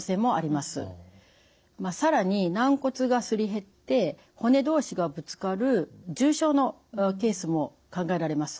更に軟骨がすり減って骨同士がぶつかる重症のケースも考えられます。